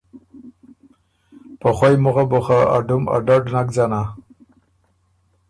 په خوَئ مُخه بو خه ا ډُم ا ډډ نک ځنا۔